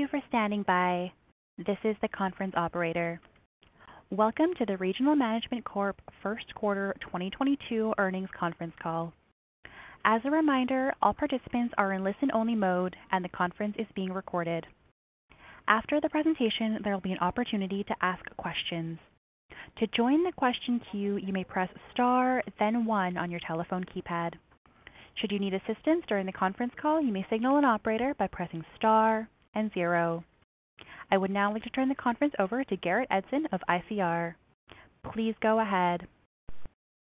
Thank you for standing by. This is the conference operator. Welcome to the Regional Management Corp. Q1 2022 earnings conference call. As a reminder, all participants are in listen-only mode, and the conference is being recorded. After the presentation, there will be an opportunity to ask questions. To join the question queue, you may press star then one on your telephone keypad. Should you need assistance during the conference call, you may signal an operator by pressing star and zero. I would now like to turn the conference over to Garrett Edson of ICR. Please go ahead.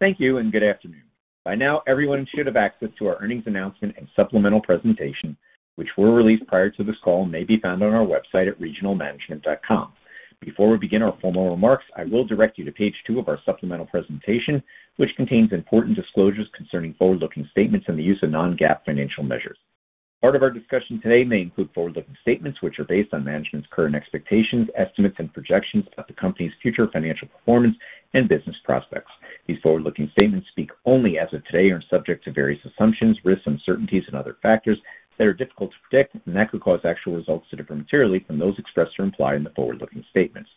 Thank you and good afternoon. By now, everyone should have access to our earnings announcement and supplemental presentation, which were released prior to this call and may be found on our website at regionalmanagement.com. Before we begin our formal remarks, I will direct you to page two of our supplemental presentation, which contains important disclosures concerning forward-looking statements and the use of non-GAAP financial measures. Part of our discussion today may include forward-looking statements which are based on management's current expectations, estimates, and projections about the company's future financial performance and business prospects. These forward-looking statements speak only as of today, are subject to various assumptions, risks, uncertainties, and other factors that are difficult to predict and that could cause actual results to differ materially from those expressed or implied in the forward-looking statements.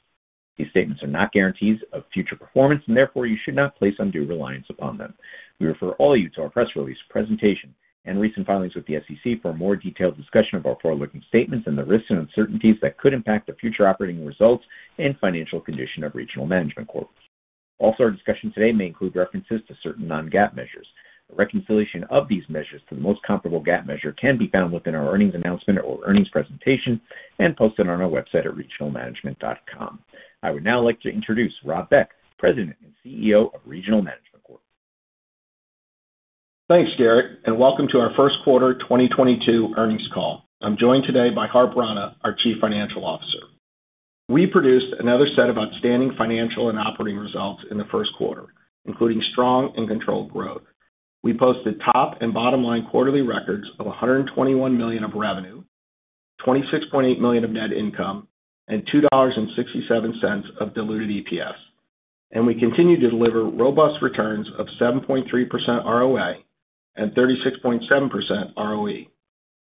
These statements are not guarantees of future performance, and therefore, you should not place undue reliance upon them. We refer all of you to our press release presentation and recent filings with the SEC for a more detailed discussion of our forward-looking statements and the risks and uncertainties that could impact the future operating results and financial condition of Regional Management Corp. Also, our discussion today may include references to certain non-GAAP measures. The reconciliation of these measures to the most comparable GAAP measure can be found within our earnings announcement or earnings presentation and posted on our website at regionalmanagement.com. I would now like to introduce Rob Beck, President and CEO of Regional Management Corp. Thanks, Garrett, and welcome to our Q1 2022 earnings call. I'm joined today by Harp Rana, our Chief Financial Officer. We produced another set of outstanding financial and operating results in the Q1, including strong and controlled growth. We posted top and bottom line quarterly records of $121 million of revenue, $26.8 million of net income, and $2.67 of diluted EPS. We continue to deliver robust returns of 7.3% ROA and 36.7% ROE.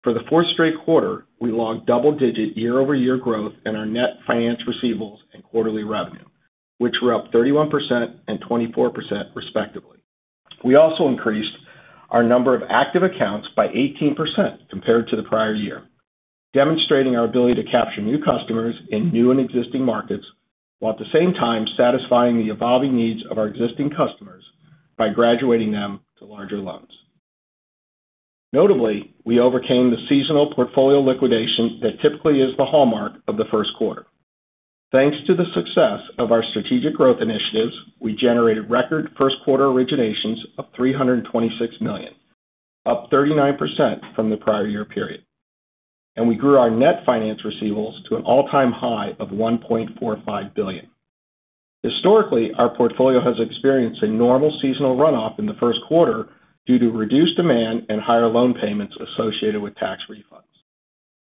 For the fourth straight quarter, we logged double-digit year-over-year growth in our net finance receivables and quarterly revenue, which were up 31% and 24% respectively. We also increased our number of active accounts by 18% compared to the prior year, demonstrating our ability to capture new customers in new and existing markets, while at the same time satisfying the evolving needs of our existing customers by graduating them to larger loans. Notably, we overcame the seasonal portfolio liquidation that typically is the hallmark of the Q1. Thanks to the success of our strategic growth initiatives, we generated record Q1 originations of $326 million, up 39% from the prior year period. We grew our net finance receivables to an all-time high of $1.45 billion. Historically, our portfolio has experienced a normal seasonal runoff in the Q1 due to reduced demand and higher loan payments associated with tax refunds.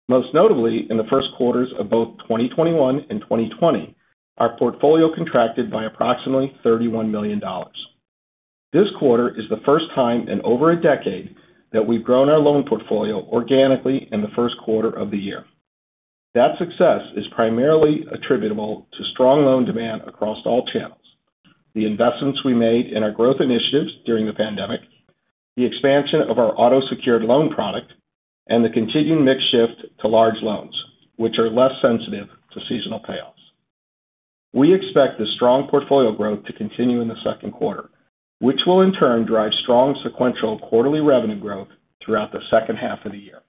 Most notably, in the first quarters of both 2021 and 2020, our portfolio contracted by approximately $31 million. This quarter is the first time in over a decade that we've grown our loan portfolio organically in the Q1 of the year. That success is primarily attributable to strong loan demand across all channels, the investments we made in our growth initiatives during the pandemic, the expansion of our auto-secured loan product, and the continued mix shift to large loans, which are less sensitive to seasonal payoffs. We expect the strong portfolio growth to continue in the Q2, which will in turn drive strong sequential quarterly revenue growth throughout the second half of the year.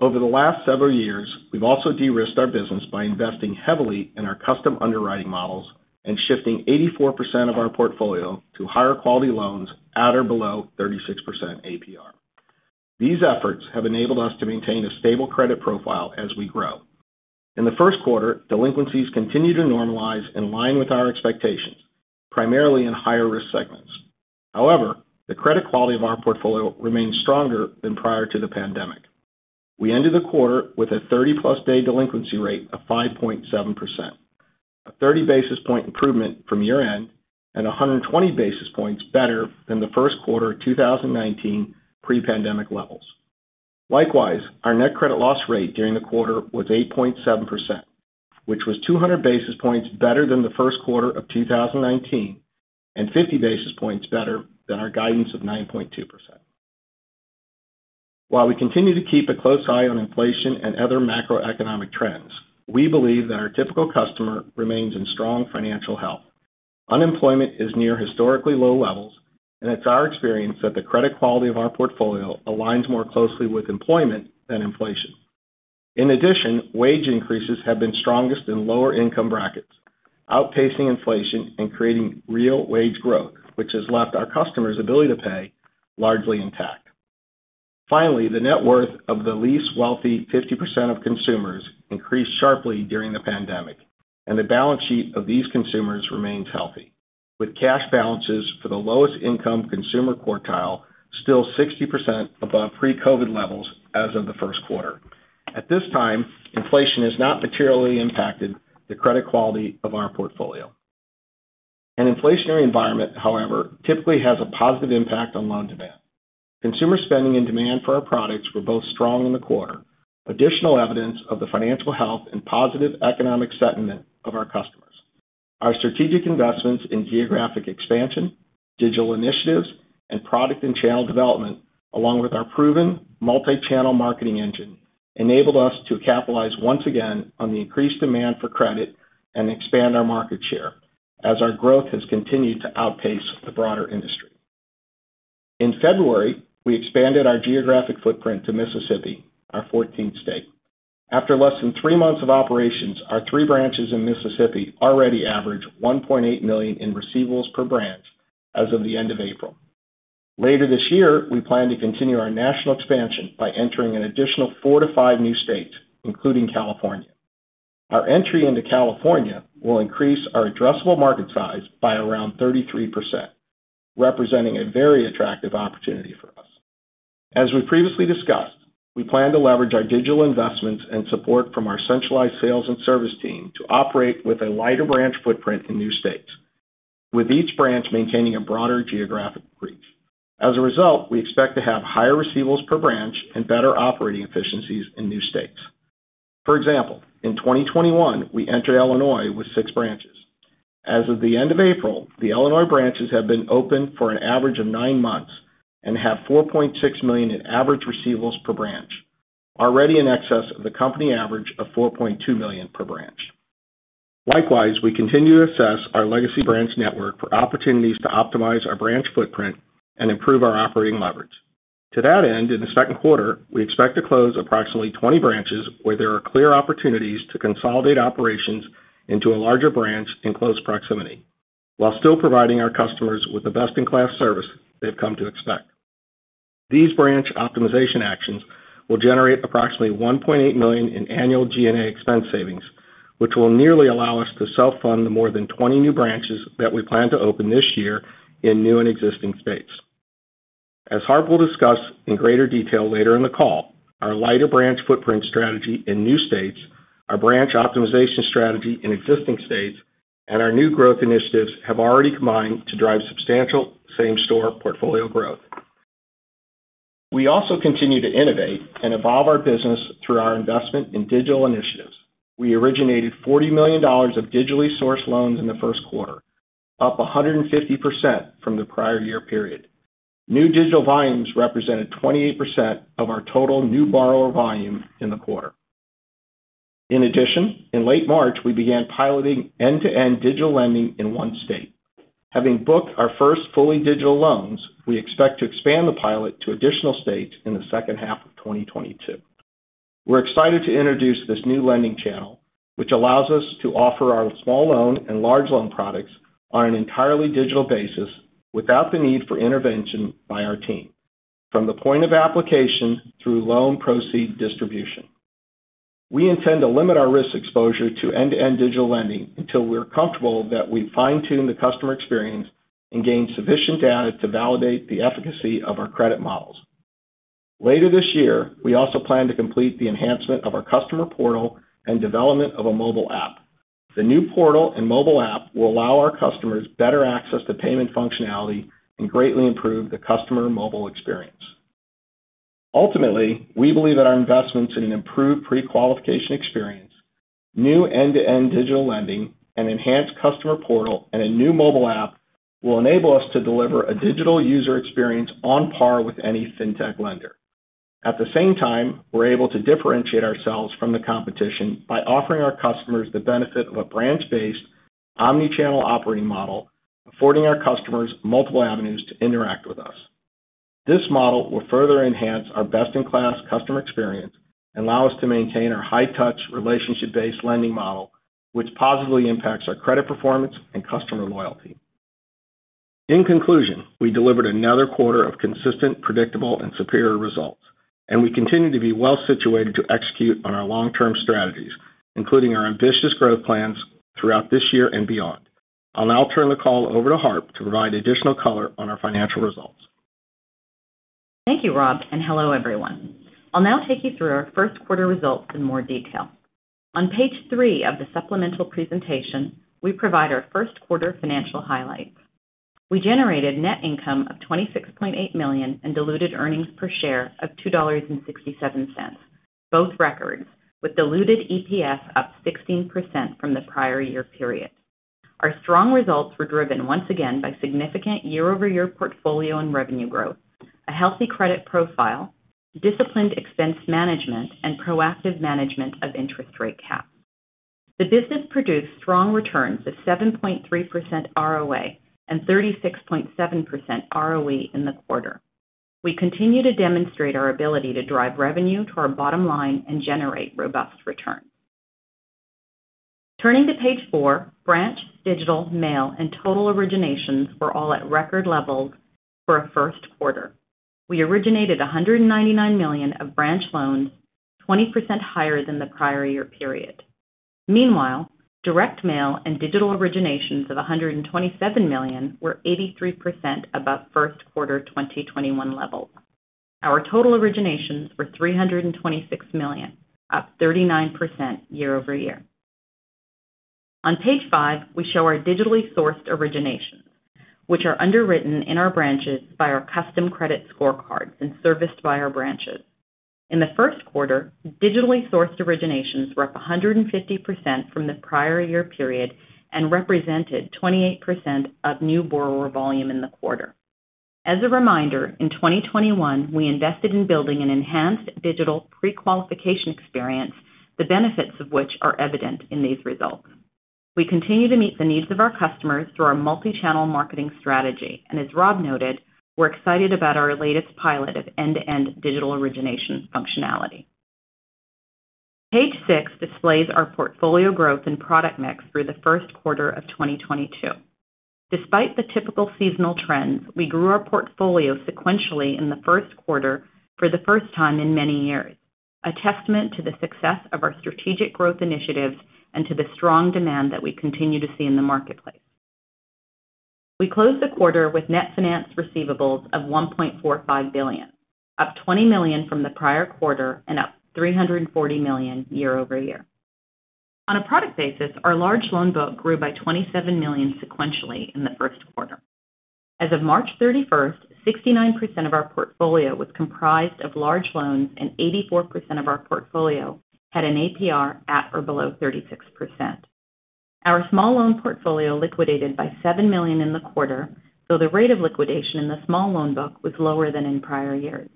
Over the last several years, we've also de-risked our business by investing heavily in our custom underwriting models and shifting 84% of our portfolio to higher quality loans at or below 36% APR. These efforts have enabled us to maintain a stable credit profile as we grow. In the Q1, delinquencies continued to normalize in line with our expectations, primarily in higher risk segments. However, the credit quality of our portfolio remains stronger than prior to the pandemic. We ended the quarter with a 30+ day delinquency rate of 5.7%, a 30 basis point improvement from year-end, and 120 basis points better than the Q1 of 2019 pre-pandemic levels. Likewise, our net credit loss rate during the quarter was 8.7%, which was 200 basis points better than the Q1 of 2019 and 50 basis points better than our guidance of 9.2%. While we continue to keep a close eye on inflation and other macroeconomic trends, we believe that our typical customer remains in strong financial health. Unemployment is near historically low levels, and it's our experience that the credit quality of our portfolio aligns more closely with employment than inflation. In addition, wage increases have been strongest in lower income brackets, outpacing inflation and creating real wage growth, which has left our customers' ability to pay largely intact. Finally, the net worth of the least wealthy 50% of consumers increased sharply during the pandemic, and the balance sheet of these consumers remains healthy, with cash balances for the lowest income consumer quartile still 60% above pre-COVID levels as of the Q1. At this time, inflation has not materially impacted the credit quality of our portfolio. An inflationary environment, however, typically has a positive impact on loan demand. Consumer spending and demand for our products were both strong in the quarter. Additional evidence of the financial health and positive economic sentiment of our customers. Our strategic investments in geographic expansion, digital initiatives, and product and channel development, along with our proven multi-channel marketing engine, enabled us to capitalize once again on the increased demand for credit and expand our market share as our growth has continued to outpace the broader industry. In February, we expanded our geographic footprint to Mississippi, our 14th state. After less than three months of operations, our three branches in Mississippi already average $1.8 million in receivables per branch as of the end of April. Later this year, we plan to continue our national expansion by entering an additional four to five new states, including California. Our entry into California will increase our addressable market size by around 33%, representing a very attractive opportunity for us. As we previously discussed, we plan to leverage our digital investments and support from our centralized sales and service team to operate with a lighter branch footprint in new states, with each branch maintaining a broader geographic reach. As a result, we expect to have higher receivables per branch and better operating efficiencies in new states. For example, in 2021, we entered Illinois with six branches. As of the end of April, the Illinois branches have been open for an average of nine months and have $4.6 million in average receivables per branch, already in excess of the company average of $4.2 million per branch. Likewise, we continue to assess our legacy branch network for opportunities to optimize our branch footprint and improve our operating leverage. To that end, in the Q2, we expect to close approximately 20 branches where there are clear opportunities to consolidate operations into a larger branch in close proximity while still providing our customers with the best-in-class service they've come to expect. These branch optimization actions will generate approximately $1.8 million in annual G&A expense savings, which will nearly allow us to self-fund the more than 20 new branches that we plan to open this year in new and existing states. As Harp will discuss in greater detail later in the call, our lighter branch footprint strategy in new states, our branch optimization strategy in existing states, and our new growth initiatives have already combined to drive substantial same-store portfolio growth. We also continue to innovate and evolve our business through our investment in digital initiatives. We originated $40 million of digitally sourced loans in the Q1, up 150% from the prior year period. New digital volumes represented 28% of our total new borrower volume in the quarter. In addition, in late March, we began piloting end-to-end digital lending in one state. Having booked our first fully digital loans, we expect to expand the pilot to additional states in the second half of 2022. We're excited to introduce this new lending channel, which allows us to offer our small loan and large loan products on an entirely digital basis without the need for intervention by our team from the point of application through loan proceeds distribution. We intend to limit our risk exposure to end-to-end digital lending until we're comfortable that we fine-tune the customer experience and gain sufficient data to validate the efficacy of our credit models. Later this year, we also plan to complete the enhancement of our customer portal and development of a mobile app. The new portal and mobile app will allow our customers better access to payment functionality and greatly improve the customer mobile experience. Ultimately, we believe that our investments in an improved pre-qualification experience, new end-to-end digital lending, an enhanced customer portal, and a new mobile app will enable us to deliver a digital user experience on par with any fintech lender. At the same time, we're able to differentiate ourselves from the competition by offering our customers the benefit of a branch-based, omnichannel operating model, affording our customers multiple avenues to interact with us. This model will further enhance our best-in-class customer experience and allow us to maintain our high-touch, relationship-based lending model, which positively impacts our credit performance and customer loyalty. In conclusion, we delivered another quarter of consistent, predictable, and superior results, and we continue to be well-situated to execute on our long-term strategies, including our ambitious growth plans throughout this year and beyond. I'll now turn the call over to Harp to provide additional color on our financial results. Thank you, Rob, and hello, everyone. I'll now take you through our Q1 results in more detail. On page three of the supplemental presentation, we provide our Q1 financial highlights. We generated net income of $26.8 million and diluted earnings per share of $2.67, both records, with diluted EPS up 16% from the prior year period. Our strong results were driven once again by significant year-over-year portfolio and revenue growth, a healthy credit profile, disciplined expense management, and proactive management of interest rate caps. The business produced strong returns of 7.3% ROA and 36.7% ROE in the quarter. We continue to demonstrate our ability to drive revenue to our bottom line and generate robust returns. Turning to page four, branch, digital, mail, and total originations were all at record levels for a Q1. We originated $199 million of branch loans, 20% higher than the prior year period. Meanwhile, direct mail and digital originations of $127 million were 83% above Q1 2021 levels. Our total originations were $326 million, up 39% year-over-year. On page five, we show our digitally sourced originations, which are underwritten in our branches by our custom credit scorecards and serviced by our branches. In the Q1, digitally sourced originations were up 150% from the prior year period and represented 28% of new borrower volume in the quarter. As a reminder, in 2021, we invested in building an enhanced digital pre-qualification experience, the benefits of which are evident in these results. We continue to meet the needs of our customers through our multi-channel marketing strategy. As Rob noted, we're excited about our latest pilot of end-to-end digital origination functionality. Page six displays our portfolio growth and product mix through the Q1 of 2022. Despite the typical seasonal trends, we grew our portfolio sequentially in the Q1 for the first time in many years. A testament to the success of our strategic growth initiatives and to the strong demand that we continue to see in the marketplace. We closed the quarter with net finance receivables of $1.45 billion, up $20 million from the prior quarter and up $340 million year-over-year. On a product basis, our large loan book grew by $27 million sequentially in the Q1. As of March 31st 69% of our portfolio was comprised of large loans and 84% of our portfolio had an APR at or below 36%. Our small loan portfolio liquidated by $7 million in the quarter, so the rate of liquidation in the small loan book was lower than in prior years.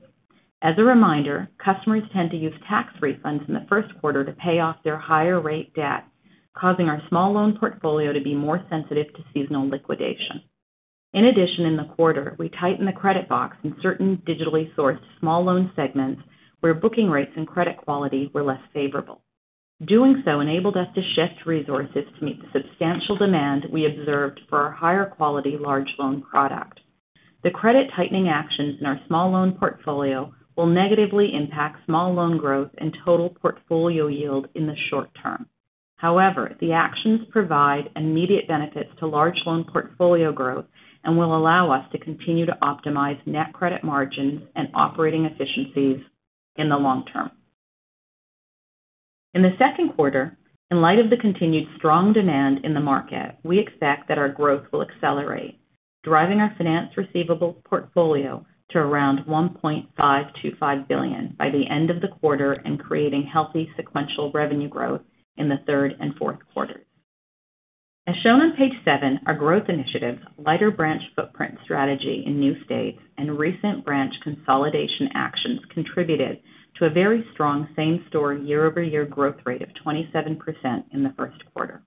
As a reminder, customers tend to use tax refunds in the Q1 to pay off their higher rate debt, causing our small loan portfolio to be more sensitive to seasonal liquidation. In addition, in the quarter, we tightened the credit box in certain digitally sourced small loan segments where booking rates and credit quality were less favorable. Doing so enabled us to shift resources to meet the substantial demand we observed for our higher quality large loan product. The credit tightening actions in our small loan portfolio will negatively impact small loan growth and total portfolio yield in the short term. However, the actions provide immediate benefits to large loan portfolio growth and will allow us to continue to optimize net credit margins and operating efficiencies in the long term. In the Q2, in light of the continued strong demand in the market, we expect that our growth will accelerate, driving our finance receivables portfolio to around $1.525 billion by the end of the quarter and creating healthy sequential revenue growth in the third and fourth quarters. As shown on page seven, our growth initiatives, lighter branch footprint strategy in new states, and recent branch consolidation actions contributed to a very strong same-store year-over-year growth rate of 27% in the Q1.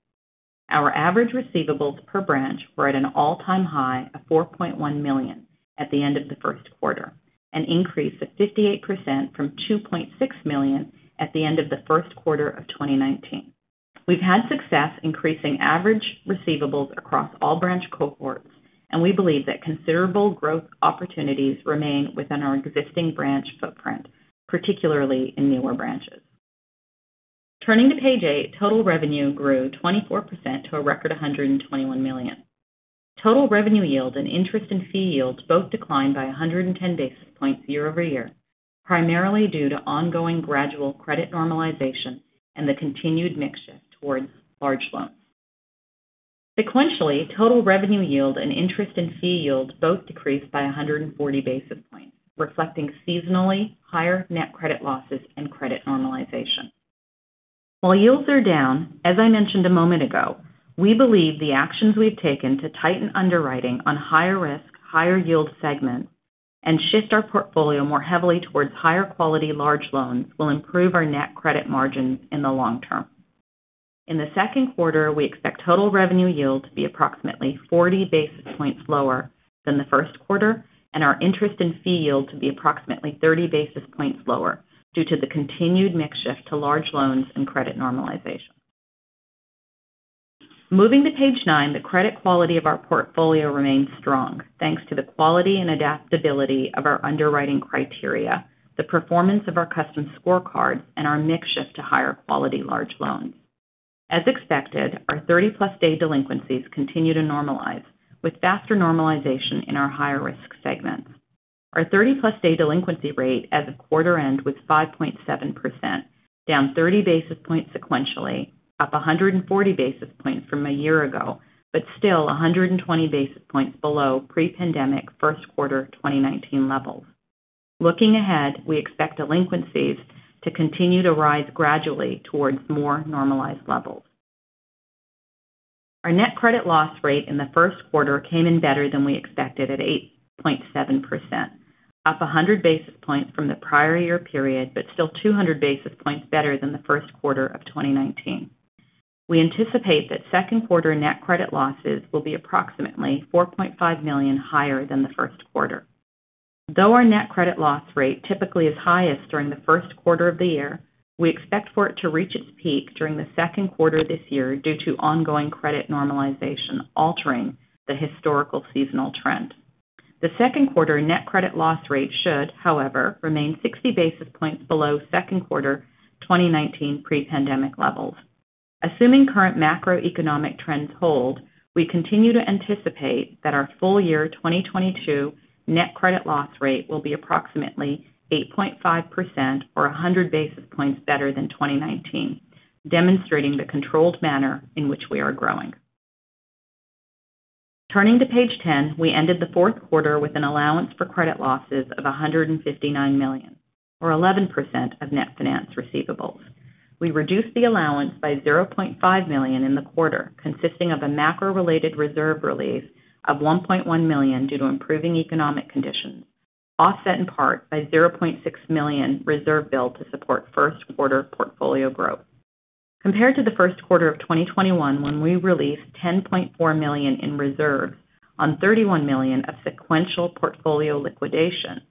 Our average receivables per branch were at an all-time high of $4.1 million at the end of the Q1, an increase of 58% from $2.6 million at the end of the Q1 of 2019. We've had success increasing average receivables across all branch cohorts, and we believe that considerable growth opportunities remain within our existing branch footprint, particularly in newer branches. Turning to page eight, total revenue grew 24% to a record $121 million. Total revenue yield and interest and fee yields both declined by 110 basis points year-over-year, primarily due to ongoing gradual credit normalization and the continued mix shift towards large loans. Sequentially, total revenue yield and interest and fee yields both decreased by 140 basis points, reflecting seasonally higher net credit losses and credit normalization. While yields are down, as I mentioned a moment ago, we believe the actions we've taken to tighten underwriting on higher risk, higher yield segments and shift our portfolio more heavily towards higher quality large loans will improve our net credit margins in the long term. In the Q2, we expect total revenue yield to be approximately 40 basis points lower than the Q1, and our interest and fee yield to be approximately 30 basis points lower due to the continued mix shift to large loans and credit normalization. Moving to page nine, the credit quality of our portfolio remains strong, thanks to the quality and adaptability of our underwriting criteria, the performance of our custom scorecard, and our mix shift to higher quality large loans. As expected, our 30+ day delinquencies continue to normalize with faster normalization in our higher risk segments. Our 30+ day delinquency rate as of quarter end was 5.7%, down 30 basis points sequentially, up 140 basis points from a year ago, but still 120 basis points below pre-pandemic Q1 2019 levels. Looking ahead, we expect delinquencies to continue to rise gradually towards more normalized levels. Our net credit loss rate in the Q1 came in better than we expected at 8.7%, up 100 basis points from the prior year period, but still 200 basis points better than the Q1 of 2019. We anticipate that Q2 net credit losses will be approximately $4.5 million higher than the Q1. Though our net credit loss rate typically is highest during the Q1 of the year, we expect for it to reach its peak during the Q2 this year due to ongoing credit normalization altering the historical seasonal trend. The Q2 net credit loss rate should, however, remain 60 basis points below Q2 2019 pre-pandemic levels. Assuming current macroeconomic trends hold, we continue to anticipate that our full-year 2022 net credit loss rate will be approximately 8.5% or 100 basis points better than 2019, demonstrating the controlled manner in which we are growing. Turning to page 10, we ended the Q4 with an allowance for credit losses of $159 million or 11% of net finance receivables. We reduced the allowance by $0.5 million in the quarter, consisting of a macro-related reserve release of $1.1 million due to improving economic conditions, offset in part by $0.6 million reserve build to support Q1 portfolio growth. Compared to the Q1 of 2021, when we released $10.4 million in reserves on $31 million of sequential portfolio liquidation.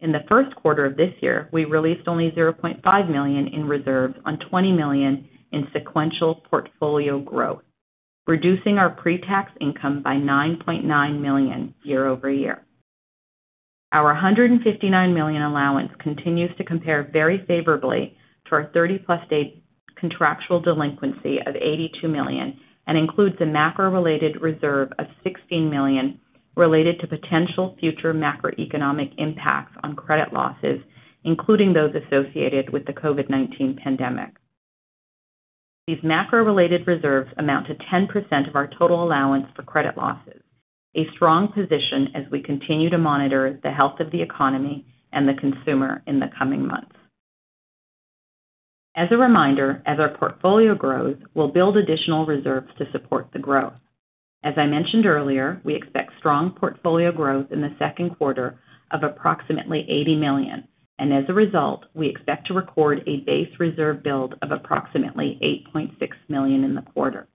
In the Q1 of this year, we released only $0.5 million in reserves on $20 million in sequential portfolio growth, reducing our pre-tax income by $9.9 million year-over-year. Our $159 million allowance continues to compare very favorably to our 30+ state contractual delinquency of $82 million and includes a macro-related reserve of $16 million related to potential future macroeconomic impacts on credit losses, including those associated with the COVID-19 pandemic. These macro-related reserves amount to 10% of our total allowance for credit losses, a strong position as we continue to monitor the health of the economy and the consumer in the coming months. As a reminder, as our portfolio grows, we'll build additional reserves to support the growth. As I mentioned earlier, we expect strong portfolio growth in the Q2 of approximately $80 million. As a result, we expect to record a base reserve build of approximately $8.6 million in the quarter.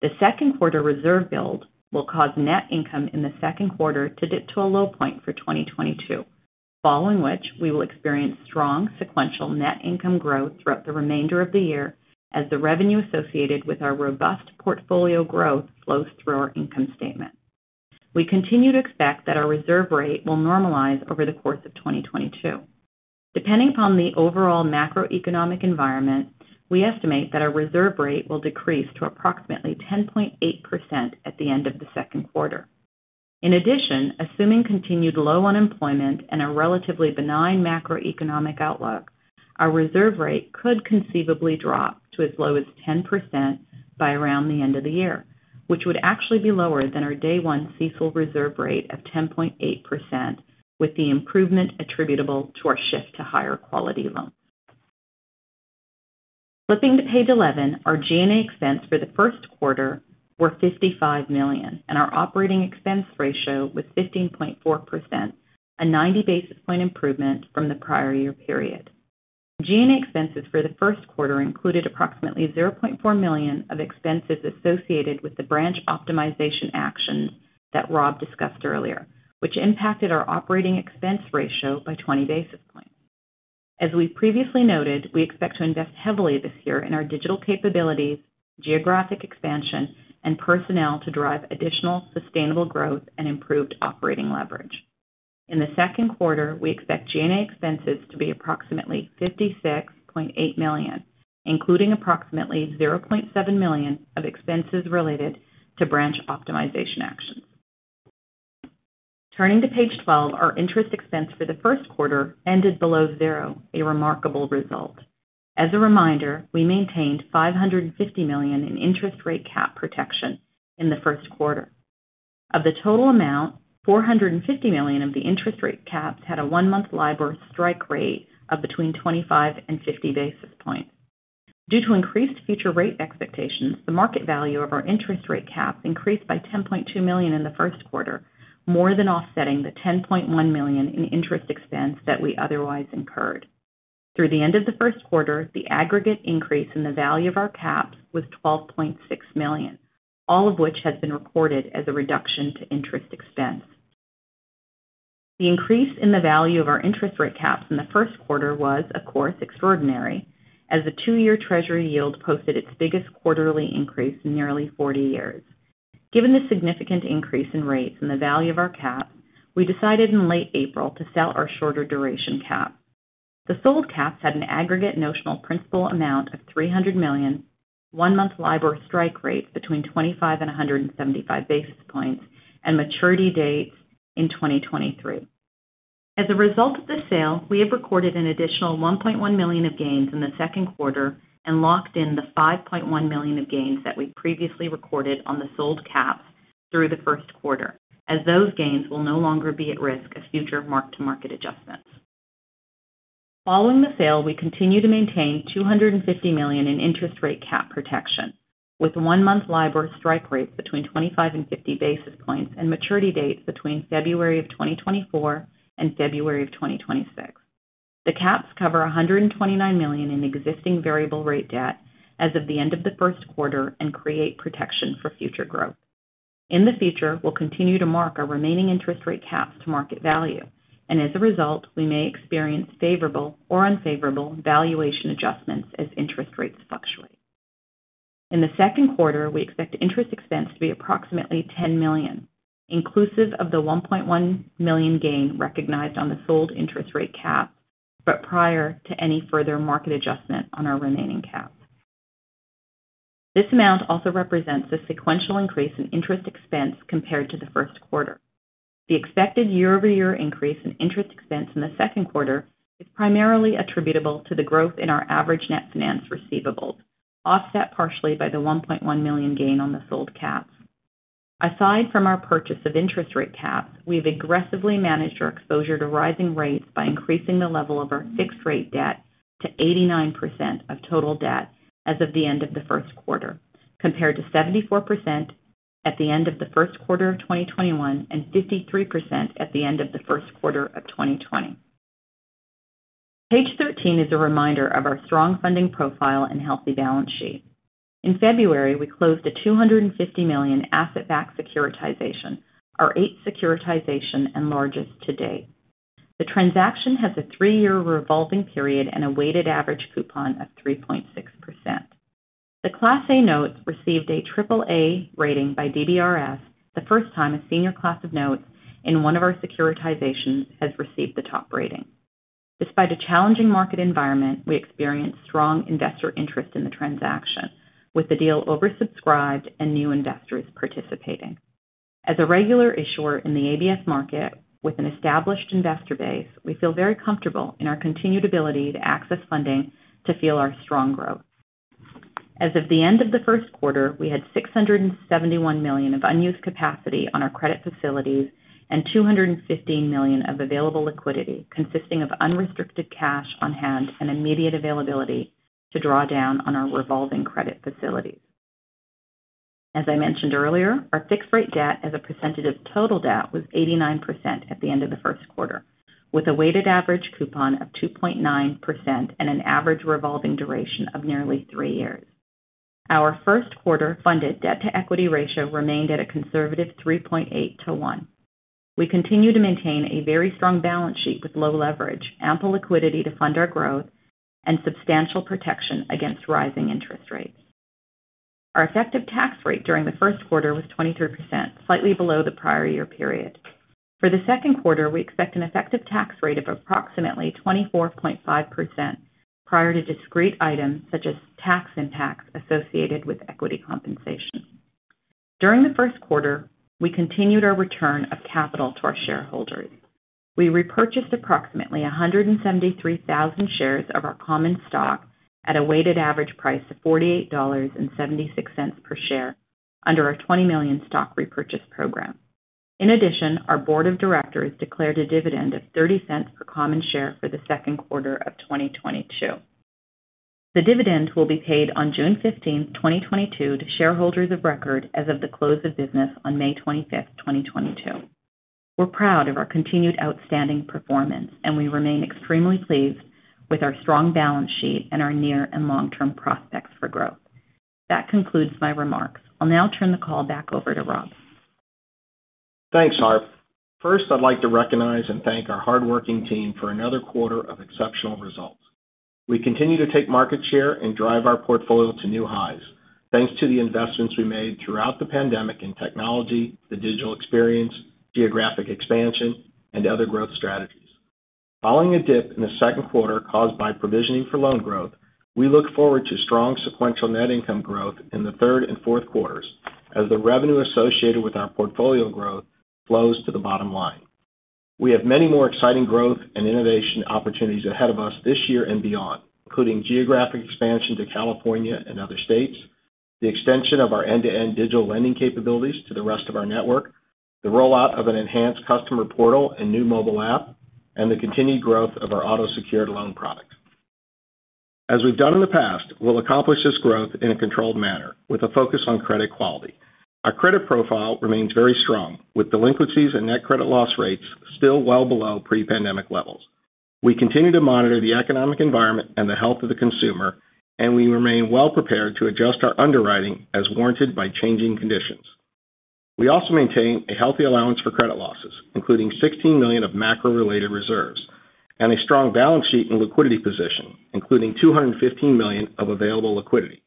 The Q2 reserve build will cause net income in the Q2 to dip to a low point for 2022, following which we will experience strong sequential net income growth throughout the remainder of the year as the revenue associated with our robust portfolio growth flows through our income statement. We continue to expect that our reserve rate will normalize over the course of 2022. Depending upon the overall macroeconomic environment, we estimate that our reserve rate will decrease to approximately 10.8% at the end of the Q2. In addition, assuming continued low unemployment and a relatively benign macroeconomic outlook, our reserve rate could conceivably drop to as low as 10% by around the end of the year, which would actually be lower than our day one CECL reserve rate of 10.8% with the improvement attributable to our shift to higher quality loans. Flipping to page 11, our G&A expense for the Q1 were $55 million, and our operating expense ratio was 15.4%, a 90 basis point improvement from the prior year period. G&A expenses for the Q1 included approximately $0.4 million of expenses associated with the branch optimization actions that Rob discussed earlier, which impacted our operating expense ratio by 20 basis points. As we previously noted, we expect to invest heavily this year in our digital capabilities, geographic expansion, and personnel to drive additional sustainable growth and improved operating leverage. In the Q2, we expect G&A expenses to be approximately $56.8 million, including approximately $0.7 million of expenses related to branch optimization actions. Turning to page 12, our interest expense for the Q1 ended below $0, a remarkable result. As a reminder, we maintained $550 million in interest rate cap protection in the Q1. Of the total amount, $450 million of the interest rate caps had a one-month LIBOR strike rate of between 25 and 50 basis points. Due to increased future rate expectations, the market value of our interest rate caps increased by $10.2 million in the Q1, more than offsetting the $10.1 million in interest expense that we otherwise incurred. Through the end of the Q1, the aggregate increase in the value of our caps was $12.6 million, all of which has been recorded as a reduction to interest expense. The increase in the value of our interest rate caps in the Q1 was, of course, extraordinary as the two year treasury yield posted its biggest quarterly increase in nearly 40 years. Given the significant increase in rates and the value of our caps, we decided in late April to sell our shorter duration cap. The sold caps had an aggregate notional principal amount of $300 million, one month LIBOR strike rates between 25 and 175 basis points, and maturity dates in 2023. As a result of the sale, we have recorded an additional $1.1 million of gains in the Q2 and locked in the $5.1 million of gains that we previously recorded on the sold caps through the Q1, as those gains will no longer be at risk of future mark-to-market adjustments. Following the sale, we continue to maintain $250 million in interest rate cap protection, with one month LIBOR strike rates between 25 and 50 basis points and maturity dates between February 2024 and February 2026. The caps cover $129 million in existing variable rate debt as of the end of the Q1 and create protection for future growth. In the future, we'll continue to mark our remaining interest rate caps to market value. As a result, we may experience favorable or unfavorable valuation adjustments as interest rates fluctuate. In the Q2, we expect interest expense to be approximately $10 million, inclusive of the $1.1 million gain recognized on the sold interest rate cap. Prior to any further market adjustment on our remaining caps. This amount also represents a sequential increase in interest expense compared to the Q1. The expected year-over-year increase in interest expense in the Q2 is primarily attributable to the growth in our average net finance receivables, offset partially by the $1.1 million gain on the sold caps. Aside from our purchase of interest rate caps, we've aggressively managed our exposure to rising rates by increasing the level of our fixed-rate debt to 89% of total debt as of the end of the Q1, compared to 74% at the end of the Q1 of 2021 and 53% at the end of the Q1 of 2020. Page 13 is a reminder of our strong funding profile and healthy balance sheet. In February, we closed a $250 million asset-backed securitization, our eighth securitization and largest to date. The transaction has a three year revolving period and a weighted average coupon of 3.6%. The Class A notes received a triple A rating by DBRS, the first time a senior class of notes in one of our securitizations has received the top rating. Despite a challenging market environment, we experienced strong investor interest in the transaction, with the deal oversubscribed and new investors participating. As a regular issuer in the ABS market with an established investor base, we feel very comfortable in our continued ability to access funding to fuel our strong growth. As of the end of the Q1, we had $671 million of unused capacity on our credit facilities and $215 million of available liquidity, consisting of unrestricted cash on hand and immediate availability to draw down on our revolving credit facilities. As I mentioned earlier, our fixed-rate debt as a percentage of total debt was 89% at the end of the Q1, with a weighted average coupon of 2.9% and an average revolving duration of nearly three years. Our Q1 funded debt-to-equity ratio remained at a conservative 3.8 to one. We continue to maintain a very strong balance sheet with low leverage, ample liquidity to fund our growth, and substantial protection against rising interest rates. Our effective tax rate during the Q1 was 23%, slightly below the prior year period. For the Q2 we expect an effective tax rate of approximately 24.5% prior to discrete items such as tax impacts associated with equity compensation. During the Q1, we continued our return of capital to our shareholders. We repurchased approximately 173,000 shares of our common stock at a weighted average price of $48.76 per share under our $20 million stock repurchase program. In addition, our board of directors declared a dividend of $0.30 per common share for the Q2 of 2022. The dividend will be paid on June 15th 2022 to shareholders of record as of the close of business on May 25th 2022. We're proud of our continued outstanding performance, and we remain extremely pleased with our strong balance sheet and our near and long-term prospects for growth. That concludes my remarks. I'll now turn the call back over to Rob. Thanks, Harp. First, I'd like to recognize and thank our hardworking team for another quarter of exceptional results. We continue to take market share and drive our portfolio to new highs thanks to the investments we made throughout the pandemic in technology, the digital experience, geographic expansion, and other growth strategies. Following a dip in the Q2 caused by provisioning for loan growth, we look forward to strong sequential net income growth in the third and fourth quarters as the revenue associated with our portfolio growth flows to the bottom line. We have many more exciting growth and innovation opportunities ahead of us this year and beyond, including geographic expansion to California and other states, the extension of our end-to-end digital lending capabilities to the rest of our network, the rollout of an enhanced customer portal and new mobile app, and the continued growth of our auto-secured loan products. As we've done in the past, we'll accomplish this growth in a controlled manner with a focus on credit quality. Our credit profile remains very strong, with delinquencies and net credit loss rates still well below pre-pandemic levels. We continue to monitor the economic environment and the health of the consumer, and we remain well prepared to adjust our underwriting as warranted by changing conditions. We also maintain a healthy allowance for credit losses, including $16 million of macro-related reserves and a strong balance sheet and liquidity position, including $215 million of available liquidity.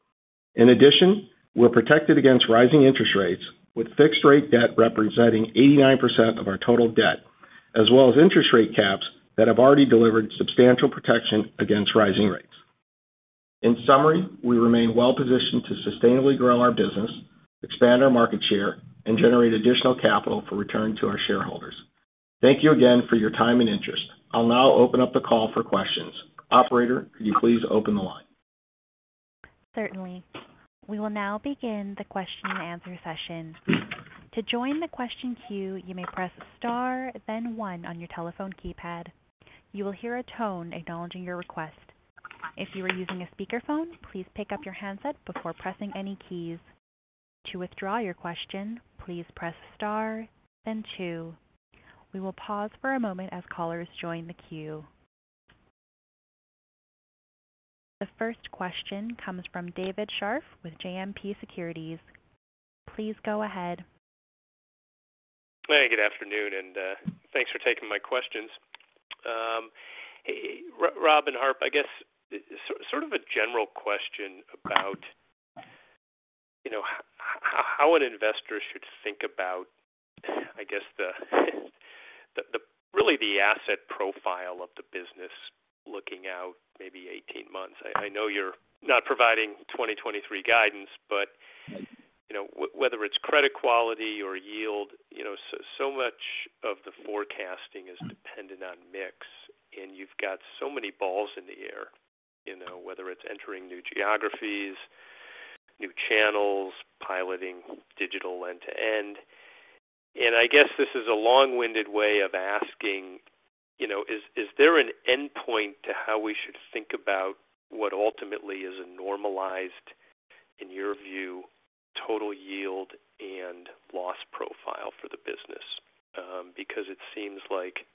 In addition, we're protected against rising interest rates with fixed-rate debt representing 89% of our total debt, as well as interest rate caps that have already delivered substantial protection against rising rates. In summary, we remain well-positioned to sustainably grow our business, expand our market share, and generate additional capital for return to our shareholders. Thank you again for your time and interest. I'll now open up the call for questions. Operator, could you please open the line? Certainly. We will now begin the question and answer session. To join the question queue, you may press star then one on your telephone keypad. You will hear a tone acknowledging your request. If you are using a speakerphone, please pick up your handset before pressing any keys. To withdraw your question, please press star then two. We will pause for a moment as callers join the queue. The first question comes from David Scharf with JMP Securities. Please go ahead. Hey, good afternoon, and thanks for taking my questions. Rob and Harp, I guess sort of a general question about How an investor should think about, I guess, the real asset profile of the business looking out maybe 18 months. I know you're not providing 2023 guidance, but, you know, whether it's credit quality or yield, you know, so much of the forecasting is dependent on mix, and you've got so many balls in the air, you know, whether it's entering new geographies, new channels, piloting digital end-to-end. I guess this is a long-winded way of asking, you know, is there an endpoint to how we should think about what ultimately is a normalized, in your view, total yield and loss profile for the business? Because it seems like,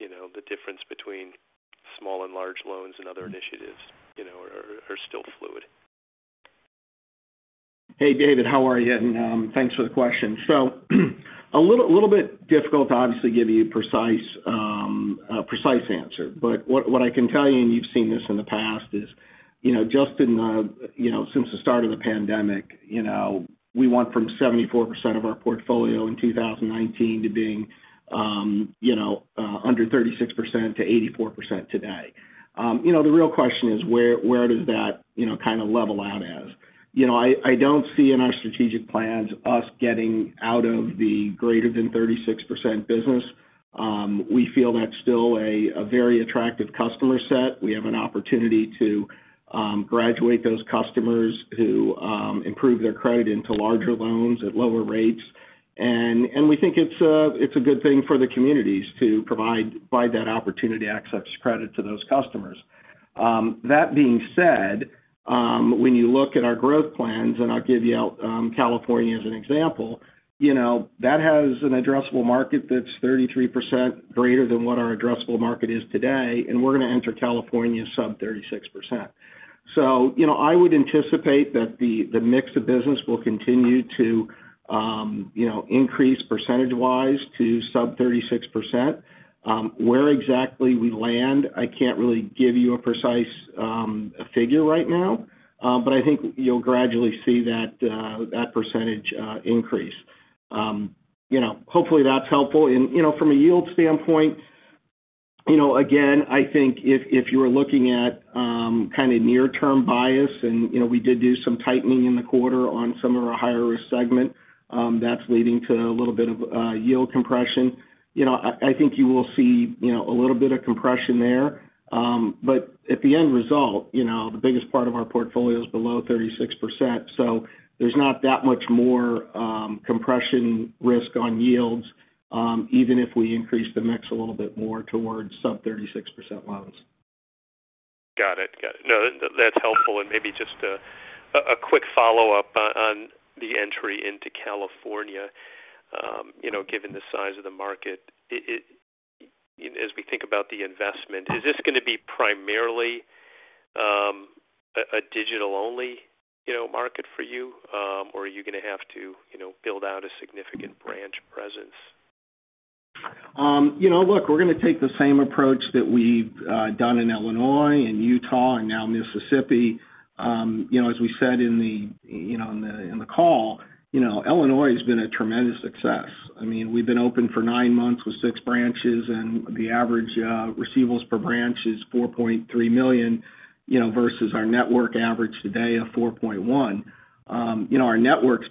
you know, the difference between small and large loans and other initiatives, you know, are still fluid. Hey, David, how are you? Thanks for the question. A little bit difficult to obviously give you a precise answer. What I can tell you, and you've seen this in the past, is you know, just in you know, since the start of the pandemic, you know, we went from 74% of our portfolio in 2019 to being under 36% to 84% today. You know, the real question is where does that you know, kind of level out as. I don't see in our strategic plans us getting out of the greater than 36% business. We feel that's still a very attractive customer set. We have an opportunity to graduate those customers who improve their credit into larger loans at lower rates. We think it's a good thing for the communities to provide that opportunity, access credit to those customers. That being said, when you look at our growth plans, and I'll give you California as an example, you know, that has an addressable market that's 33% greater than what our addressable market is today, and we're gonna enter California sub 36%. You know, I would anticipate that the mix of business will continue to, you know, increase percentage-wise to sub 36%. Where exactly we land, I can't really give you a precise figure right now. I think you'll gradually see that that percentage increase. You know, hopefully that's helpful. From a yield standpoint, you know, again, I think if you are looking at kind of near-term bias and, you know, we did do some tightening in the quarter on some of our higher risk segment, that's leading to a little bit of yield compression. You know, I think you will see, you know, a little bit of compression there. But at the end result, you know, the biggest part of our portfolio is below 36%, so there's not that much more compression risk on yields, even if we increase the mix a little bit more towards sub-36% loans. Got it. No, that's helpful. Maybe just a quick follow-up on the entry into California. You know, given the size of the market, as we think about the investment, is this gonna be primarily a digital only market for you? Or are you gonna have to build out a significant branch presence? You know, look, we're gonna take the same approach that we've done in Illinois and Utah and now Mississippi. You know, as we said in the call, you know, Illinois has been a tremendous success. I mean, we've been open for nine months with six branches, and the average receivables per branch is $4.3 million, you know, versus our network average today of $4.1 million. You know, our network's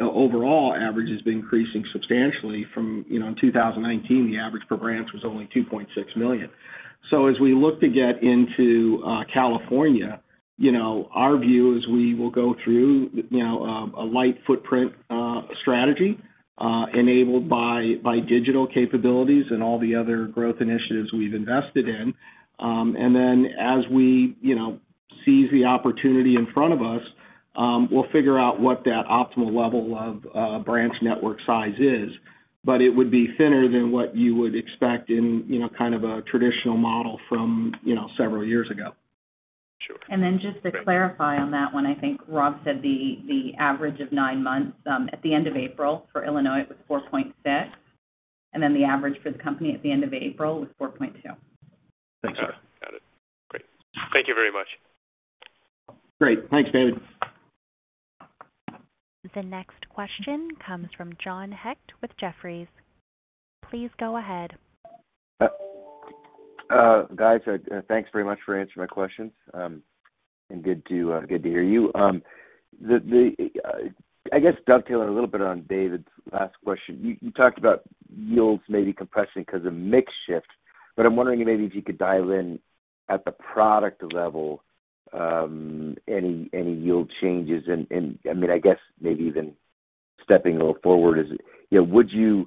overall average has been increasing substantially from, you know, in 2019, the average per branch was only $2.6 million. As we look to get into California, you know, our view is we will go through, you know, a light footprint strategy, enabled by digital capabilities and all the other growth initiatives we've invested in. As we, you know, seize the opportunity in front of us, we'll figure out what that optimal level of branch network size is, but it would be thinner than what you would expect in, you know, kind of a traditional model from, you know, several years ago. Sure. Just to clarify on that one, I think Rob said the average of nine months at the end of April for Illinois, it was 4.6%, and then the average for the company at the end of April was 4.2%. Got it. Great. Thank you very much. Great. Thanks, David. The next question comes from John Hecht with Jefferies. Please go ahead. Guys, thanks very much for answering my questions. Good to hear you. I guess dovetailing a little bit on David's last question, you talked about yields maybe compressing 'cause of mix shift, but I'm wondering if maybe if you could dive in at the product level, any yield changes. I mean, I guess maybe even stepping a little forward is, you know, would you?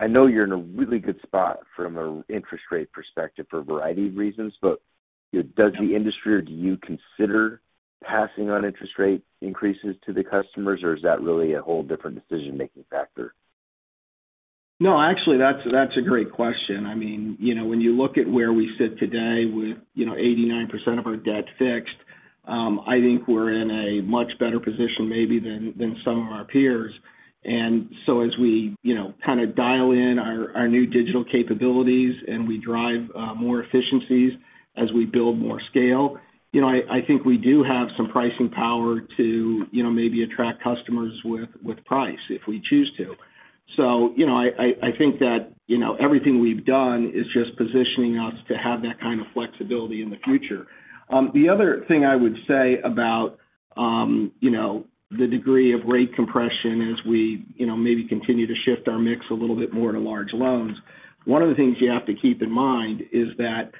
I know you're in a really good spot from an interest rate perspective for a variety of reasons, but, you know, does the industry or do you consider passing on interest rate increases to the customers, or is that really a whole different decision-making factor? No, actually, that's a great question. I mean, you know, when you look at where we sit today with, you know, 89% of our debt fixed, I think we're in a much better position maybe than some of our peers. As we, you know, kind of dial in our new digital capabilities and we drive more efficiencies as we build more scale, you know, I think we do have some pricing power to, you know, maybe attract customers with price if we choose to. You know, I think that everything we've done is just positioning us to have that kind of flexibility in the future. The other thing I would say about, you know, the degree of rate compression as we, you know, maybe continue to shift our mix a little bit more to large loans, one of the things you have to keep in mind is that,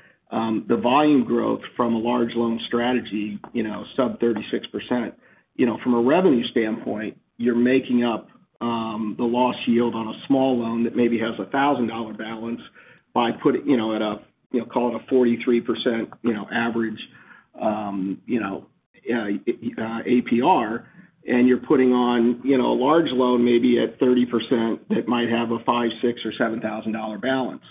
the volume growth from a large loan strategy, you know, sub 36%, you know, from a revenue standpoint, you're making up, the lost yield on a small loan that maybe has a $1,000 balance by putting, you know, at a, you know, call it a 43%, you know, average APR, and you're putting on, you know, a large loan maybe at 30% that might have a $5,000, $6,000 or $7,000 balance.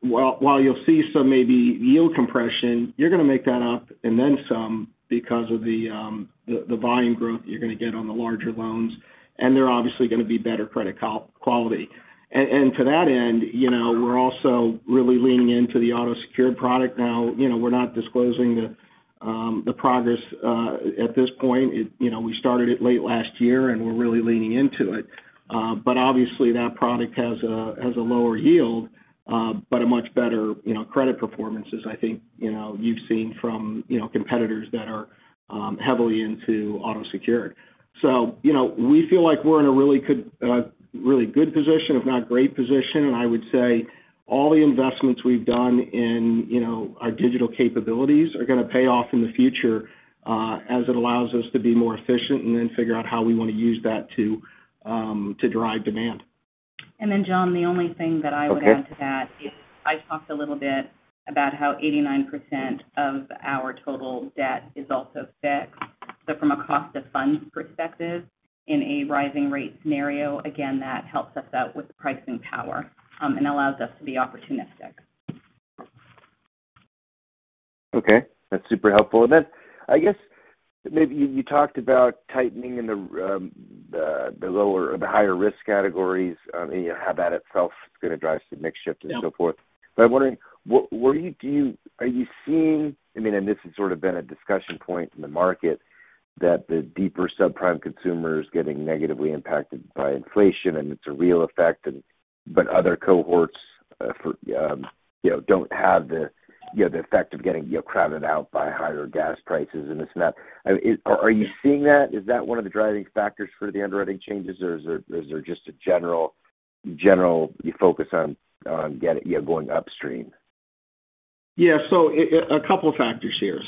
While you'll see some maybe yield compression, you're gonna make that up and then some because of the volume growth you're gonna get on the larger loans, and they're obviously gonna be better credit quality. To that end, you know, we're also really leaning into the auto secured product now. You know, we're not disclosing the progress at this point. You know, we started it late last year, and we're really leaning into it. But obviously that product has a lower yield, but a much better, you know, credit performances, I think, you know, you've seen from, you know, competitors that are heavily into auto secured. You know, we feel like we're in a really good position, if not great position. I would say all the investments we've done in, you know, our digital capabilities are gonna pay off in the future, as it allows us to be more efficient and then figure out how we wanna use that to drive demand. John, the only thing that I would Okay. Add to that, I talked a little bit about how 89% of our total debt is also fixed. From a cost of funds perspective in a rising rate scenario, again, that helps us out with pricing power and allows us to be opportunistic. Okay. That's super helpful. I guess maybe you talked about tightening in the lower or the higher risk categories, you know, how that itself is gonna drive some mix shift. Yeah. I'm wondering, are you seeing? I mean, this has sort of been a discussion point in the market that the deeper subprime consumer is getting negatively impacted by inflation, and it's a real effect, but other cohorts, you know, don't have the, you know, the effect of getting, you know, crowded out by higher gas prices and this and that. I mean, are you seeing that? Is that one of the driving factors for the underwriting changes, or is there just a general focus on, you know, going upstream? Yeah. A couple factors here.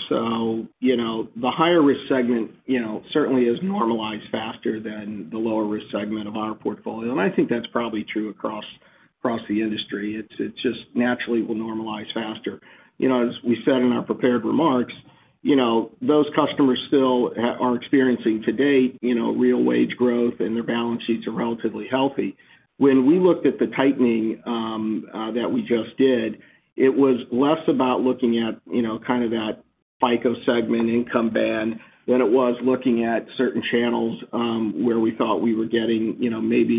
You know, the higher risk segment, you know, certainly has normalized faster than the lower risk segment of our portfolio, and I think that's probably true across the industry. It's just naturally will normalize faster. You know, as we said in our prepared remarks, you know, those customers still are experiencing to date, you know, real wage growth and their balance sheets are relatively healthy. When we looked at the tightening that we just did, it was less about looking at, you know, kind of that FICO segment income band than it was looking at certain channels, where we thought we were getting, you know, maybe,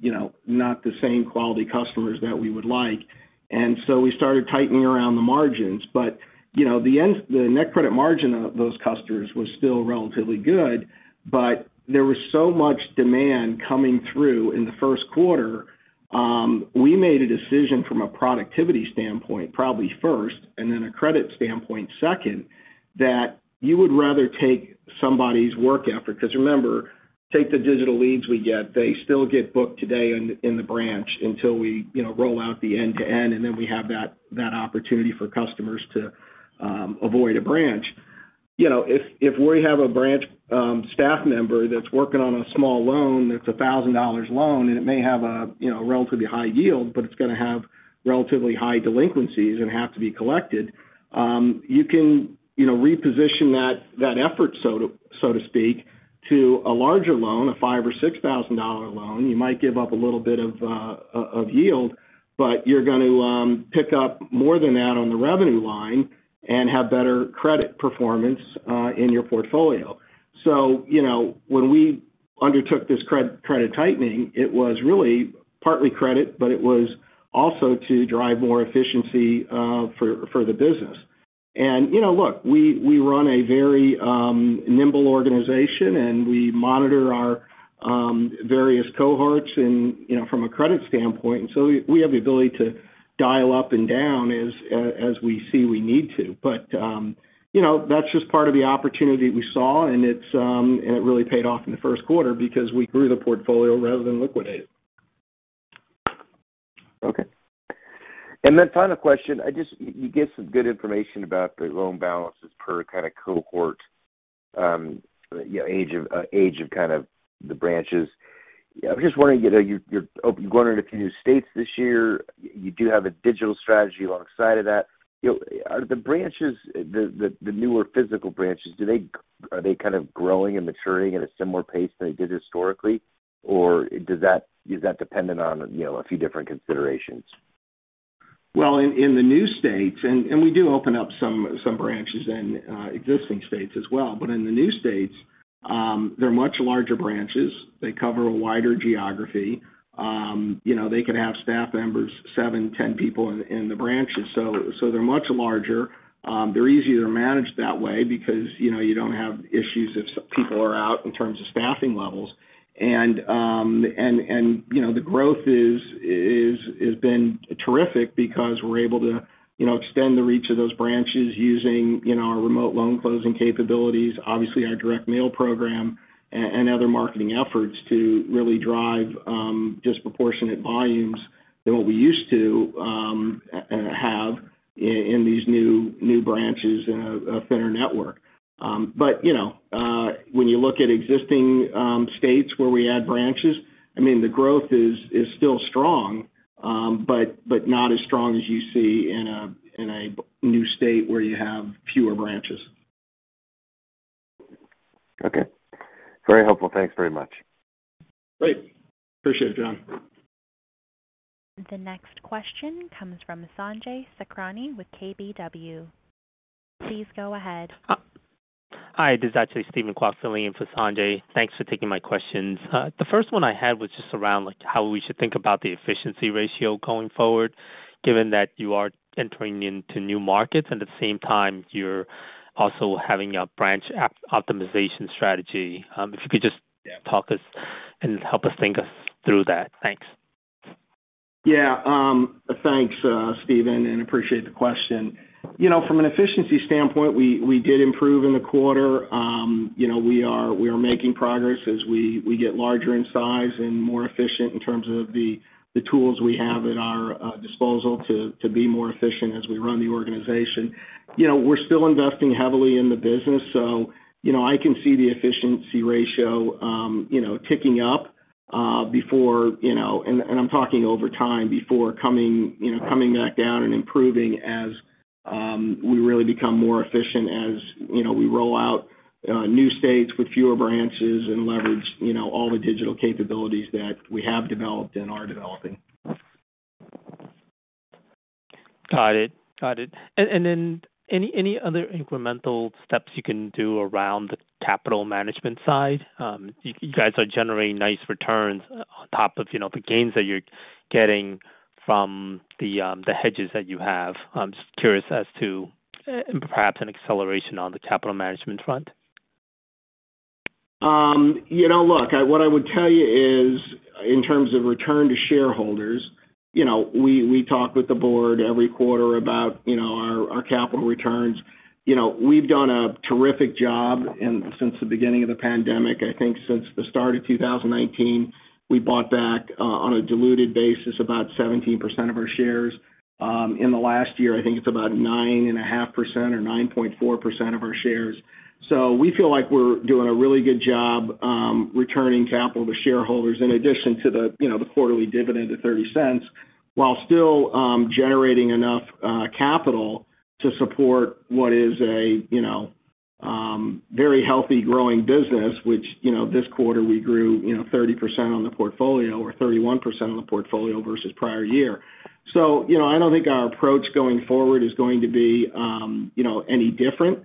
you know, not the same quality customers that we would like. We started tightening around the margins. You know, the net credit margin of those customers was still relatively good. There was so much demand coming through in the Q1, we made a decision from a productivity standpoint probably first, and then a credit standpoint second, that you would rather take somebody's work effort. Because remember, take the digital leads we get, they still get booked today in the branch until we, you know, roll out the end-to-end, and then we have that opportunity for customers to avoid a branch. You know, if we have a branch, staff member that's working on a small loan that's a $1,000 loan, and it may have a, you know, relatively high yield, but it's gonna have relatively high delinquencies and have to be collected, you can, you know, reposition that effort, so to speak, to a larger loan, a $5,000-$6,000 loan. You might give up a little bit of yield, but you're going to pick up more than that on the revenue line and have better credit performance in your portfolio. You know, when we undertook this credit tightening, it was really partly credit, but it was also to drive more efficiency for the business. You know, look, we run a very nimble organization, and we monitor our various cohorts and, you know, from a credit standpoint, and we have the ability to dial up and down as we see we need to. You know, that's just part of the opportunity we saw, and it really paid off in the Q1 because we grew the portfolio rather than liquidate it. Okay. Final question. You gave some good information about the loan balances per kind of cohort, you know, age of kind of the branches. I'm just wondering, you know, you're going into a few new states this year. You do have a digital strategy alongside of that. You know, are the branches, the newer physical branches, are they kind of growing and maturing at a similar pace than they did historically, or does that, is that dependent on, you know, a few different considerations? In the new states, and we do open up some branches in existing states as well. In the new states, they're much larger branches. They cover a wider geography. You know, they can have staff members, seven, 10 people in the branches. They're much larger. They're easier to manage that way because, you know, you don't have issues if people are out in terms of staffing levels. You know, the growth has been terrific because we're able to, you know, extend the reach of those branches using, you know, our remote loan closing capabilities, obviously our direct mail program and other marketing efforts to really drive disproportionate volumes than what we used to have in these new branches in a thinner network. You know, when you look at existing states where we add branches, I mean, the growth is still strong, but not as strong as you see in a new state where you have fewer branches. Okay. Very helpful. Thanks very much. Great. Appreciate it, John. The next question comes from Sanjay Sakhrani with KBW. Please go ahead. Hi, this is actually Steven Kwok filling in for Sanjay. Thanks for taking my questions. The first one I had was just around, like, how we should think about the efficiency ratio going forward, given that you are entering into new markets and at the same time you're also having a branch optimization strategy. If you could just talk us through that and help us think through that. Thanks. Yeah. Thanks, Steven, and appreciate the question. You know, from an efficiency standpoint, we did improve in the quarter. You know, we are making progress as we get larger in size and more efficient in terms of the tools we have at our disposal to be more efficient as we run the organization. You know, we're still investing heavily in the business. You know, I can see the efficiency ratio ticking up before coming back down and improving as we really become more efficient as we roll out new states with fewer branches and leverage all the digital capabilities that we have developed and are developing. Got it. Any other incremental steps you can do around the capital management side? You guys are generating nice returns on top of, you know, the gains that you're getting from the hedges that you have. I'm just curious as to perhaps an acceleration on the capital management front. You know, look, what I would tell you is in terms of return to shareholders, you know, we talk with the board every quarter about, you know, our capital returns. You know, we've done a terrific job since the beginning of the pandemic. I think since the start of 2019, we bought back on a diluted basis about 17% of our shares. In the last year, I think it's about 9.5% or 9.4% of our shares. We feel like we're doing a really good job, returning capital to shareholders in addition to the, you know, the quarterly dividend of $0.30, while still, generating enough, capital to support what is a, you know, very healthy growing business, which, you know, this quarter we grew, you know, 30% on the portfolio or 31% on the portfolio versus prior year. I don't think our approach going forward is going to be, you know, any different.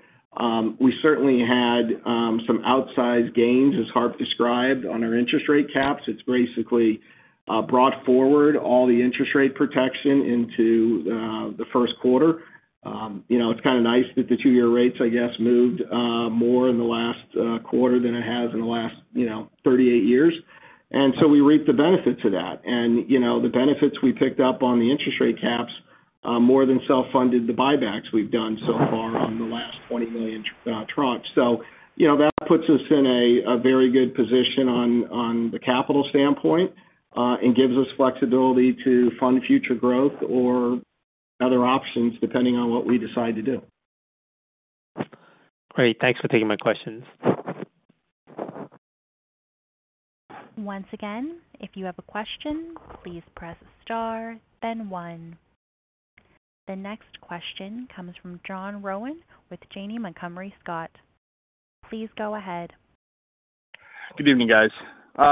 We certainly had, some outsized gains, as Harp described, on our interest rate caps. It's basically, brought forward all the interest rate protection into, the Q1. You know, it's kind of nice that the two-year rates, I guess, moved, more in the last, quarter than it has in the last, you know, 38 years. We reaped the benefit to that. You know, the benefits we picked up on the interest rate caps more than self-funded the buybacks we've done so far on the last $20 million tranches. You know, that puts us in a very good position on the capital standpoint and gives us flexibility to fund future growth or other options depending on what we decide to do. Great. Thanks for taking my questions. Once again, if you have a question, please press star then one. The next question comes from John Rowan with Janney Montgomery Scott. Please go ahead. Good evening, guys. Hey,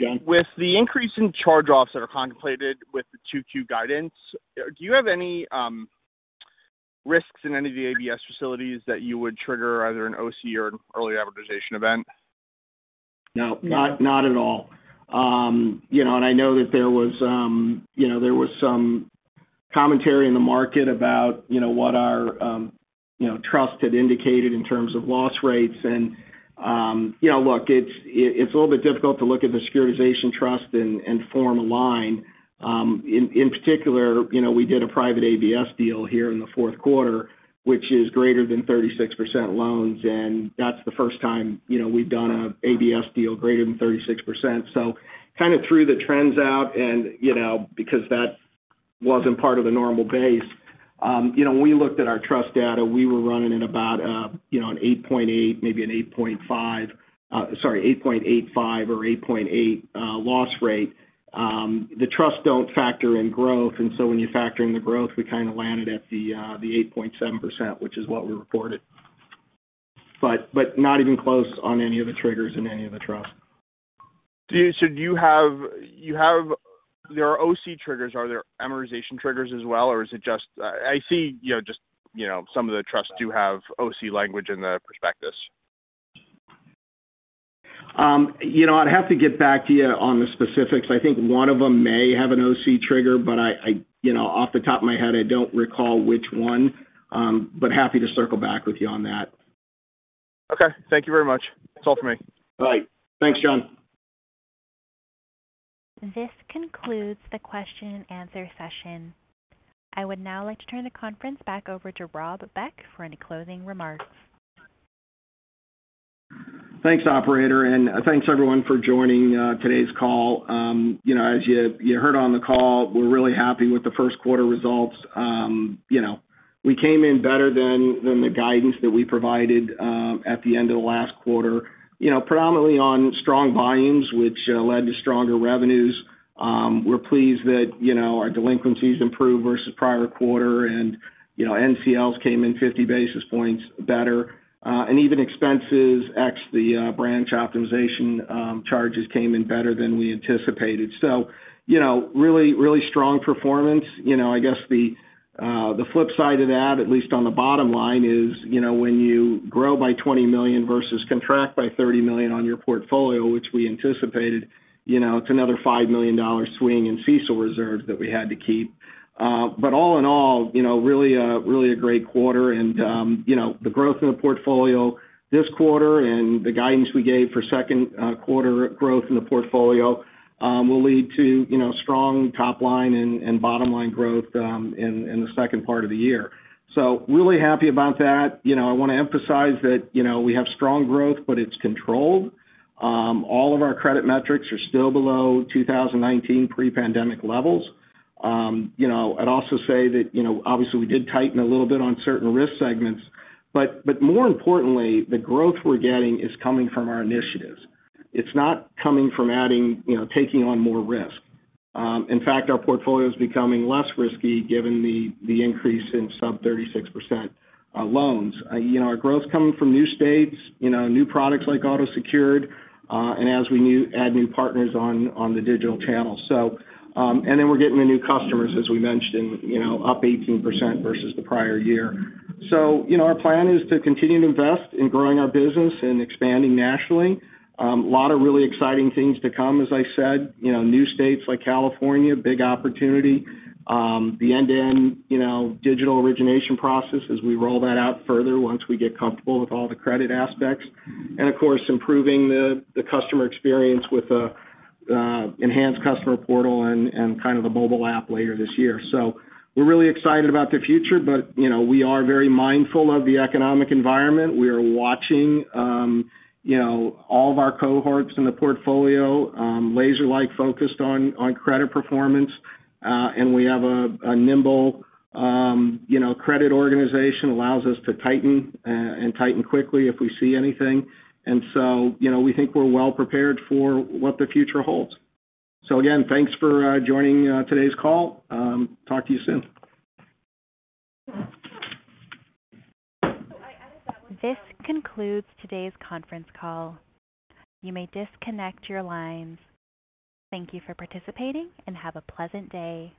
John. With the increase in charge-offs that are contemplated with the 2Q guidance, do you have any risks in any of the ABS facilities that you would trigger either an OC or an early amortization event? No, not at all. You know, I know that there was some commentary in the market about, you know, what our trust had indicated in terms of loss rates. Look, it's a little bit difficult to look at the securitization trust and form a line. In particular, you know, we did a private ABS deal here in the Q4, which is greater than 36% loans, and that's the first time, you know, we've done a ABS deal greater than 36%. Kind of threw the trends out and, you know, because that wasn't part of the normal base. You know, when we looked at our trust data, we were running at about, you know, an 8.8, maybe an 8.5, sorry, 8.85 or 8.8 loss rate. The trusts don't factor in growth, and so when you factor in the growth, we kind of landed at the 8.7%, which is what we reported. Not even close on any of the triggers in any of the trusts. There are OC triggers. Are there amortization triggers as well, or is it just, I see, you know, just, you know, some of the trusts do have OC language in the prospectus. You know, I'd have to get back to you on the specifics. I think one of them may have an OC trigger, but I you know, off the top of my head, I don't recall which one. Happy to circle back with you on that. Okay. Thank you very much. That's all for me. All right. Thanks, John. This concludes the question and answer session. I would now like to turn the conference back over to Rob Beck for any closing remarks. Thanks, operator, and thanks everyone for joining today's call. You know, as you heard on the call, we're really happy with the Q1 results. You know, we came in better than the guidance that we provided at the end of last quarter. You know, predominantly on strong volumes, which led to stronger revenues. We're pleased that, you know, our delinquencies improved versus prior quarter and, you know, NCLs came in 50 basis points better. Even expenses ex the branch optimization charges came in better than we anticipated. You know, really, really strong performance. You know, I guess the flip side to that, at least on the bottom line, is, you know, when you grow by $20 million versus contract by $30 million on your portfolio, which we anticipated, you know, it's another $5 million swing in CECL reserves that we had to keep. All in all, you know, really a great quarter and, you know, the growth in the portfolio this quarter and the guidance we gave for Q2 growth in the portfolio, will lead to, you know, strong top line and bottom line growth, in the second part of the year. Really happy about that. You know, I wanna emphasize that, you know, we have strong growth, but it's controlled. All of our credit metrics are still below 2019 pre-pandemic levels. You know, I'd also say that, you know, obviously we did tighten a little bit on certain risk segments, but more importantly, the growth we're getting is coming from our initiatives. It's not coming from taking on more risk. In fact, our portfolio is becoming less risky given the increase in sub-36% loans. You know, our growth's coming from new states, you know, new products like auto-secured, and as we add new partners on the digital channel. We're getting the new customers, as we mentioned, you know, up 18% versus the prior year. You know, our plan is to continue to invest in growing our business and expanding nationally. A lot of really exciting things to come. As I said, you know, new states like California, big opportunity. The end-to-end, you know, digital origination process as we roll that out further once we get comfortable with all the credit aspects. Of course, improving the customer experience with an enhanced customer portal and kind of the mobile app later this year. We're really excited about the future, but, you know, we are very mindful of the economic environment. We are watching, you know, all of our cohorts in the portfolio, laser-like focused on credit performance. We have a nimble, you know, credit organization allows us to tighten quickly if we see anything. You know, we think we're well prepared for what the future holds. Again, thanks for joining today's call. Talk to you soon. This concludes today's conference call. You may disconnect your lines. Thank you for participating and have a pleasant day.